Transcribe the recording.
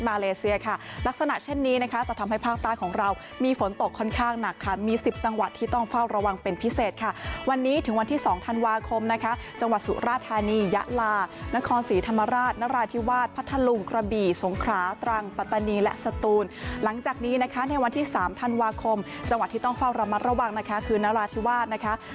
มาเลเซียค่ะลักษณะเช่นนี้นะคะจะทำให้ภาคตาของเรามีฝนตกค่อนข้างหนักค่ะมีสิบจังหวัดที่ต้องเฝ้าระวังเป็นพิเศษค่ะวันนี้ถึงวันที่สองธันวาคมนะคะจังหวัดสุราธานียะลานครศรีธรรมราชนราธิวาสพระทะลุงกระบี่สงขราตรังปัตตานีและสตูนหลังจากนี้นะคะในวันที่สามธันวาคมจังหวัด